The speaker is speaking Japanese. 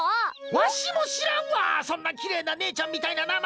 わしも知らんわそんなきれいなねえちゃんみたいな名前！